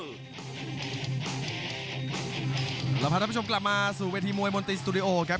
พาท่านผู้ชมกลับมาสู่เวทีมวยมนตรีสตูดิโอครับ